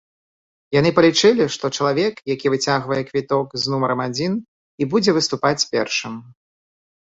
Яны палічылі, што чалавек, які выцягвае квіток з нумарам адзін і будзе выступаць першым.